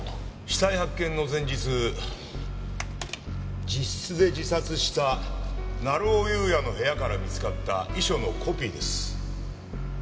死体発見の前日自室で自殺した成尾優也の部屋から見つかった遺書のコピーです。